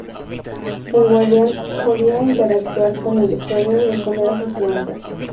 El guardián, podía interactuar con el usuario y responder a sus preguntas.